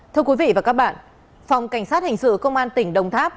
thưa quý vị và các bạn phòng cảnh sát hình sự công an tỉnh đồng tháp